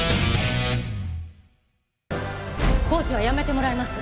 コーチは辞めてもらいます。